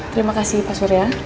terima kasih pak surya